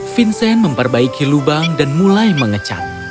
vincent memperbaiki lubang dan mulai mengecat